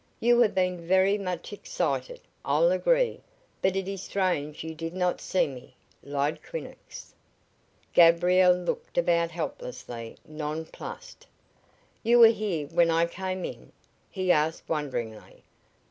You have been very much excited, I'll agree, but it is strange you did not see me," lied Quinnox. Gabriel looked about helplessly, nonplussed. "You were here when I came in?" he asked, wonderingly.